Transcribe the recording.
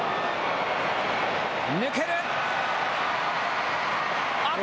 抜ける。